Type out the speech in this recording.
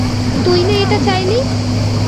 তুই না এটা চাইলি?